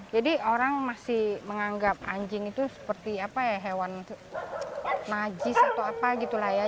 jadi orang masih menganggap anjing itu seperti hewan najis atau apa gitu lah ya